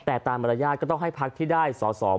แต่ตามมารยาทก็ต้องให้พักที่ได้สอสอ